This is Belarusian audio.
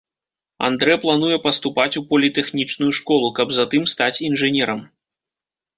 Андрэ плануе паступаць у політэхнічную школу, каб затым стаць інжынерам.